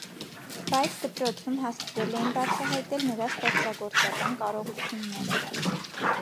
Բայց դպրոցում հասցրել էին բացահայտել նրա ստեղծագործական կարողությունները։